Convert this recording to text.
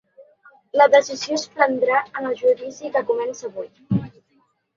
La decisió es prendrà en el judici que comença avui.